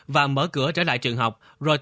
và mở cửa trở lại trường hợp